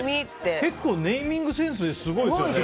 結構ネーミングセンスすごいですね。